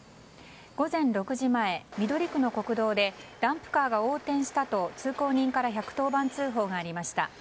午前６時前、緑区の国道でダンプカーが横転したと通行人から１１０番通報がありました。